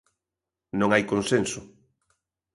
Non hai consenso.